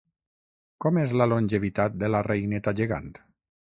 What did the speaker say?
Com és la longevitat de la reineta gegant?